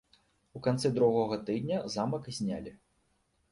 У канцы другога тыдня замак знялі.